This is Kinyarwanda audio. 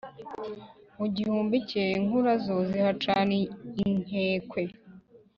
mu gihumbi cye inkurazo zihacana inkekwe